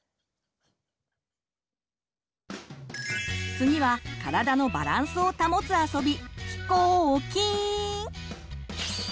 次は体のバランスを保つあそび